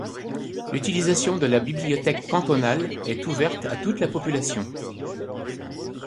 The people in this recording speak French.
L’utilisation de la Bibliothèque cantonale est ouverte à toute la population.